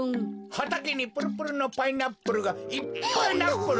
はたけにプルプルのパイナップルがいっパイナップル。